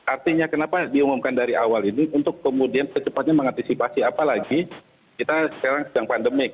artinya kenapa diumumkan dari awal ini untuk kemudian secepatnya mengantisipasi apalagi kita sekarang sedang pandemik